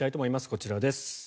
こちらです。